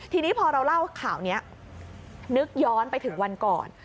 ทีนี้พอเราเล่าข่าวนี้นึกย้อนไปถึงวันก่อน